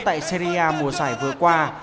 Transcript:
tại serie a mùa sải vừa qua